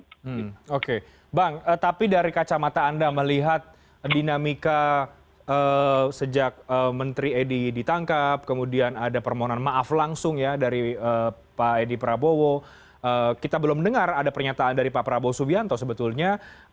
oke bang tapi dari kacamata anda melihat dinamika sejak menteri edi ditangkap kemudian ada permohonan maaf langsung ya dari pak edi prabowo kita belum dengar ada pernyataan dari pak prabowo subianto sebetulnya